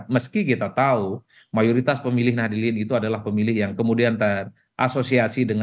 meski kita tahu mayoritas pemilih nahdliin itu adalah pemilih pemilih yang tidak ada